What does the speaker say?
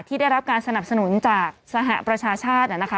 ได้รับการสนับสนุนจากสหประชาชาตินะคะ